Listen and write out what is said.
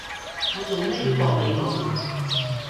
我做咩要搏你懵？